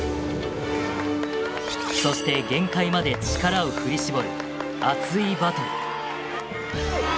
そして限界まで力を振り絞る熱いバトル。